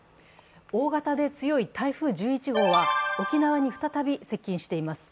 大型で強い台風１１号は沖縄に再び接近しています。